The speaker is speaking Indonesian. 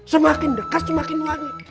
semakin dekat semakin wangi